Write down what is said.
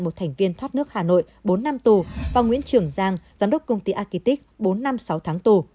một thành viên thoát nước hà nội bốn năm tù và nguyễn trường giang giám đốc công ty akitic bốn năm sáu tháng tù